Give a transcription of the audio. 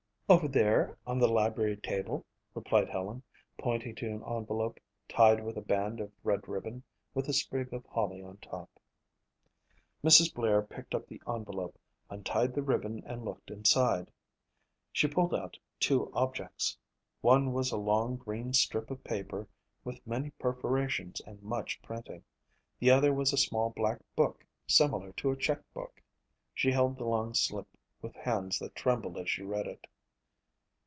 "Over there on the library table," replied Helen, pointing to an envelope tied with a band of red ribbon with a sprig of holly on top. Mrs. Blair picked up the envelope, untied the ribbon and looked inside. She pulled out two objects. One was a long, green strip of paper with many perforations and much printing. The other was a small black book similar to a check book. She held the long slip with hands that trembled as she read it.